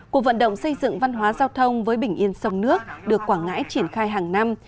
cuộc vận động xây dựng văn hóa giao thông với bình yên sông nước được quảng ngãi triển khai hàng năm